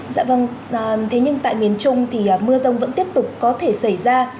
dạ vâng thế nhưng tại miền trung thì mưa rông vẫn tiếp tục có thể xảy ra